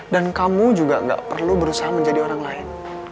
dan kamu juga gak perlu berusaha menjadi orang lain